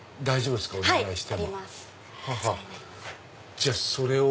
じゃあそれを。